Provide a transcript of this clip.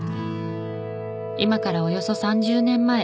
今からおよそ３０年前。